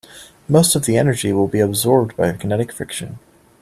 Most of the energy will be absorbed by kinetic friction.